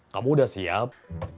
kamu udah siap